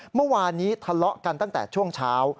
เมื่อวานนี้ทะเลาะกันตั้งแต่ช่วงเช้า